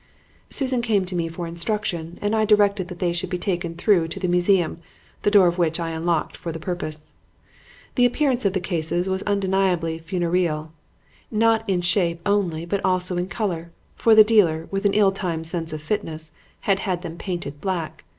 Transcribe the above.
"Susan came to me for instructions and I directed that they should be taken through to the museum, the door of which I unlocked for the purpose. "The appearance of the cases was undeniably funereal, not in shape only but also in color; for the dealer, with an ill timed sense of fitness, had had them painted black.